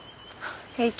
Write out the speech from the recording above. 平気。